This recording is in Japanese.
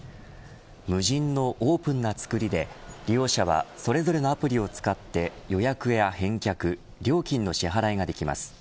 無人のオープンなつくりで利用者はそれぞれのアプリを使って予約や返却料金の支払いができます。